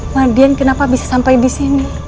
mardian kenapa bisa sampai disini